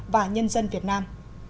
và nhân dân việt nam